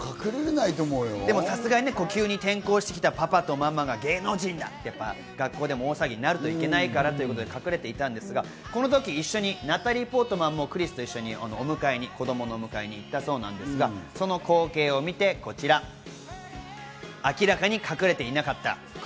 さすがに急に転校してきたパパとママが芸能人だって学校でも大騒ぎになるといけないからということで、隠れていたんですが、このとき一緒にナタリー・ポートマンもクリスと一緒に子供の迎えに行ったそうですが、その光景を見て、こちらです。